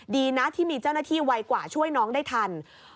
ดีนะที่มีเจ้าหน้าที่ไวกว่าช่วยน้องได้ทัน